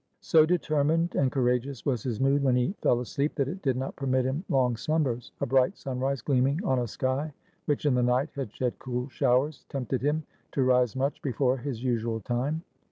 So determined and courageous was his mood when he fell asleep that it did not permit him long slumbers. A bright sunrise gleaming on a sky which in the night had shed cool showers tempted him to rise much before his usual time.